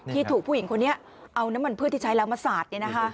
ที่ถูกผู้หญิงคนนี้เอาน้ำมันพืชที่ใช้แล้วมาสาด